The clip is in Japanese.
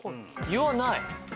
言わない。